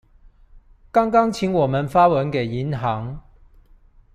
剛剛請我們發文給銀行